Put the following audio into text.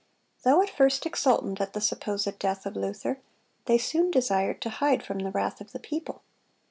Though at first exultant at the supposed death of Luther, they soon desired to hide from the wrath of the people.